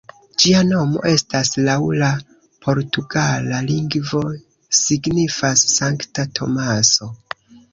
Ĝia nomo estas laŭ la portugala lingvo signifas "Sankta Tomaso".